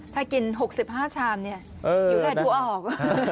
ถ้ากิน๖๕ชามอยู่ใกล้ทั่วออก